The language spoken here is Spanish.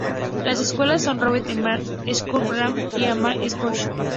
Las escuelas son Roberts Elementary School, Ryan Middle School, y Lamar High School.